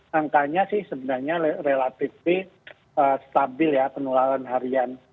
hanya sih sebenarnya relatif stabil ya penulalan harian